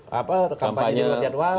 kampanye diri rakyat wao